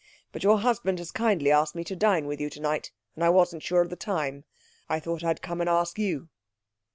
But your husband has kindly asked me to dine with you tonight, and I wasn't sure of the time. I thought I'd come and ask you.'